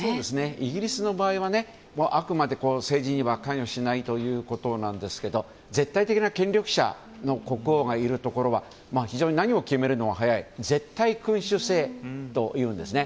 イギリスの場合はあくまで政治には関与しないということなんですが絶対的な権力者の国王がいるところは非常に何を決めるのも早い絶対君主制というんですね。